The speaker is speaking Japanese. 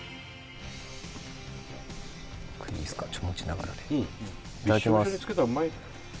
これいいっすか持ちながらでいただきます